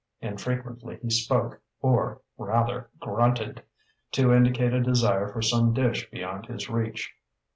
Infrequently he spoke or, rather, grunted, to indicate a desire for some dish beyond his reach.